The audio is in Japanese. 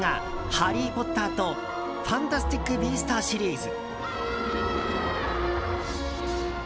「ハリー・ポッター」と「ファンタスティック・ビースト」シリーズ。